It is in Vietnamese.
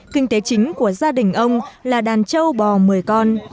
kinh tế chính của gia đình ông là đàn châu bò một mươi con